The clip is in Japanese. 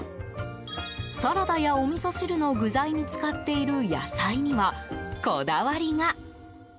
サラダやおみそ汁の具材に使っている野菜にはこだわりが。